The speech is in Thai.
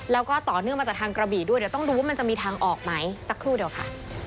แล้วก็ต่อเนื่องมาจากทางกระบี่ด้วยเดี๋ยวต้องดูว่ามันจะมีทางออกไหมสักครู่เดียวค่ะ